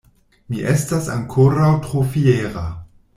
Mi estas ankoraŭ tro fiera!